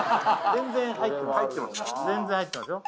全然入ってますよ